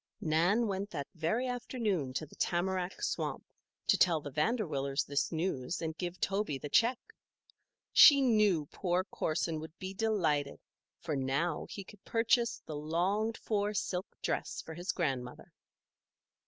Nan went that very afternoon to the tamarack swamp to tell the Vanderwillers this news and give Toby the check. She knew poor Corson would be delighted, for now he could purchase the longed for silk dress for his grandmother.